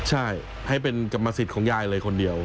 ใช่ให้เป็นกรรมสิทธิ์ของยายเลยคนเดียว